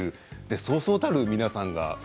そうそうたる皆さんが。